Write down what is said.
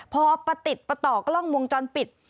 พอประติดประต่อกล้องวงจรปิด